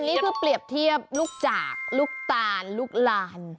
อันนี้คือเปรียบเทียบลูกจากลูกตาลลูกลาน